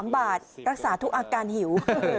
๓บาทรักษาทุกอาการหิว